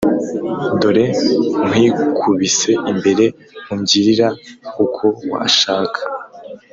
Dore nkwikubise imbere ungirira uko washaka